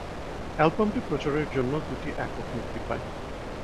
অ্যালবামটির প্রচারের জন্য দুটি একক মুক্তি পায়।